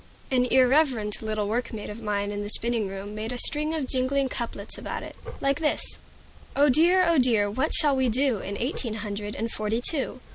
An irreverent little workmate of mine in the spinning room made a string of jingling couplets about it, like this: "Oh dear! oh dear! what shall we do In eighteen hundred and forty two?